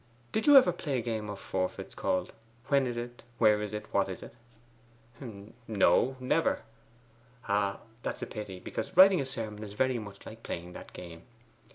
Did you ever play a game of forfeits called "When is it? where is it? what is it?"' 'No, never.' 'Ah, that's a pity, because writing a sermon is very much like playing that game.